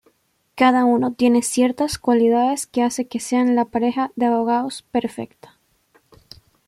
Cada uno tiene ciertas cualidades que hace que sean la pareja de abogados perfecta.